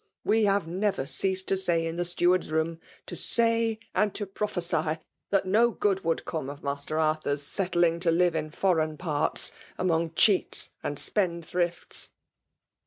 We have never ceased to say in the steward's room — to say and to prophecy — that no good would come of Master Arthur's settling to live in foreign parts> among cheats and spendthrifts.'